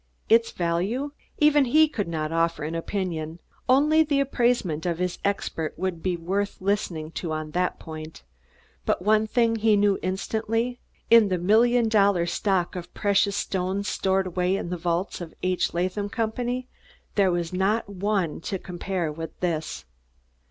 Its value? Even he could not offer an opinion only the appraisement of his expert would be worth listening to on that point. But one thing he knew instantly in the million dollar stock of precious stones stored away in the vaults of the H. Latham Company, there was not one to compare with this.